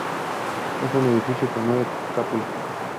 Es un edificio con nueve cúpulas.